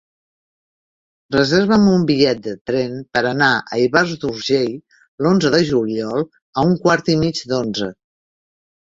Reserva'm un bitllet de tren per anar a Ivars d'Urgell l'onze de juliol a un quart i mig d'onze.